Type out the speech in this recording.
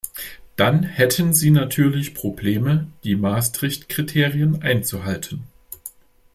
Dann hätten sie natürlich Probleme, die Maastricht-Kriterien einzuhalten.